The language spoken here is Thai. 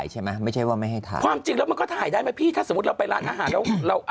เหมือนอาหารพวกครับพ่นแม่